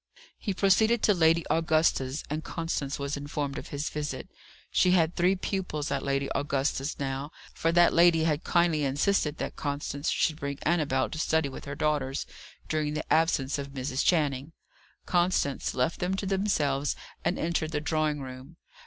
He proceeded to Lady Augusta's, and Constance was informed of his visit. She had three pupils at Lady Augusta's now, for that lady had kindly insisted that Constance should bring Annabel to study with her daughters, during the absence of Mrs. Channing. Constance left them to themselves and entered the drawing room.